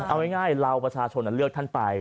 เอาง่ายเราประชาชนเลือกท่านไป